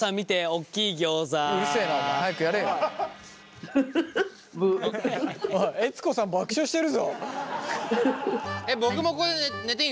おい悦子さん爆笑してるぞ。